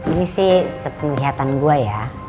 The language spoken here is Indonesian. ini sih sepelihatan gue ya